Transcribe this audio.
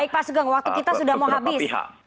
baik pak sugeng waktu kita sudah mau habis